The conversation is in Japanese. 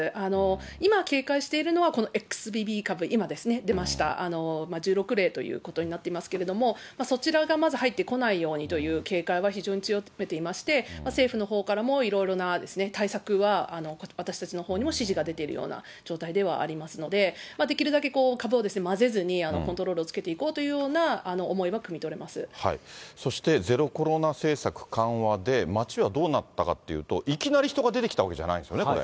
今、警戒しているのは、このＸＢＢ株、今ですね、出ました、１６例ということになっていますけれども、そちらがまず入ってこないようにという警戒は非常に強めていまして、政府のほうからも、いろいろな対策は私たちのほうにも指示が出ているような状態ではありますので、できるだけ株を混ぜずにコントロールをつけていこうというようなそして、ゼロコロナ政策緩和で、街はどうなったかっていうと、いきなり人が出てきたわけじゃないんですよね、これ。